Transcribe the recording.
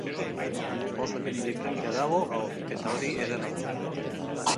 Oso jende diferentea dago gaur, eta hori ederra da.